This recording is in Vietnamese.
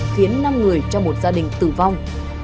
khiến năm người trong một gia đình tử vong